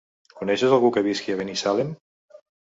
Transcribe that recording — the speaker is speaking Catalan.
Coneixes algú que visqui a Binissalem?